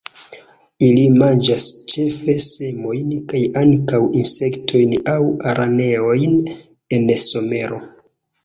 Ili manĝas ĉefe semojn, kaj ankaŭ insektojn aŭ araneojn en somero.